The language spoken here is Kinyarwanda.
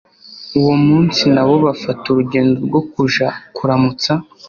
uwomunsi nabo bafata urugendo rwokuja kuramutsa